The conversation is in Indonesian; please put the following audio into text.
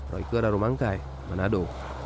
roi kedaro mangkai manado